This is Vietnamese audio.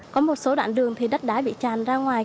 có một số đoạn đường thì đất đá bị tràn ra ngoài